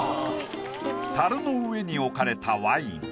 樽の上に置かれたワイン。